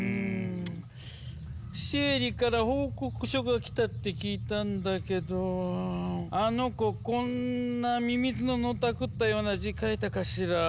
シエリから報告書が来たって聞いたんだけどあの子こんなミミズののたくったような字書いたかしら？